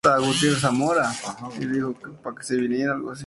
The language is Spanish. A menudo es acompañado de un sonido característico.